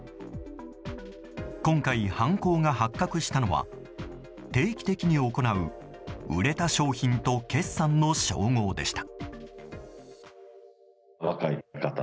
今回、犯行が発覚したのは定期的に行う売れた商品と決算の照合でした。